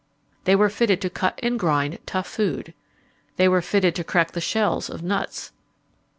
They were fitted to cut and grind tough food. They were fitted to crack the shells of nuts.